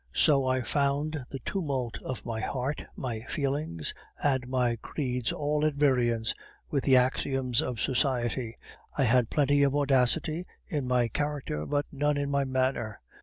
"So I found the tumult of my heart, my feelings, and my creeds all at variance with the axioms of society. I had plenty of audacity in my character, but none in my manner.